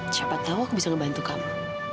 siapa tau aku bisa ngebantu kamu